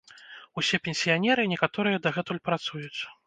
Усе пенсіянеры, некаторыя дагэтуль працуюць.